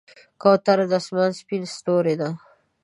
کوتره د آسمان سپینه ستورۍ ده.